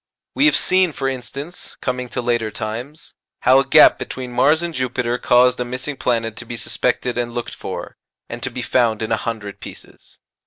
We have seen, for instance (coming to later times), how a gap between Mars and Jupiter caused a missing planet to be suspected and looked for, and to be found in a hundred pieces.